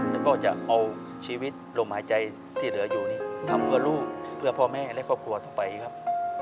แล้วก็จะเอาชีวิตลมหายใจที่เหลืออยู่นี่ทำเพื่อลูกเพื่อพ่อแม่และครอบครัวต่อไปครับ